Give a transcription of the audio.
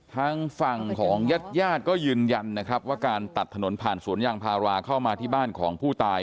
ทางฝั่งของญาติญาติก็ยืนยันนะครับว่าการตัดถนนผ่านสวนยางพาราเข้ามาที่บ้านของผู้ตาย